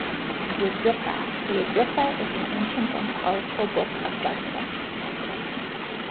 The Agrippa - The Agrippa is an ancient and powerful book of dark magic.